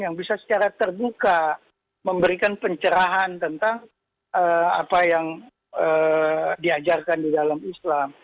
yang bisa secara terbuka memberikan pencerahan tentang apa yang diajarkan di dalam islam